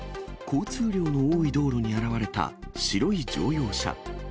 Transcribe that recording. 交通量の多い道路に現れた、白い乗用車。